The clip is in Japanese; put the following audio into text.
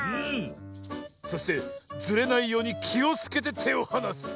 そしてずれないようにきをつけててをはなす。